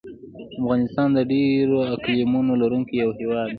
افغانستان د ډېرو اقلیمونو لرونکی یو هېواد دی.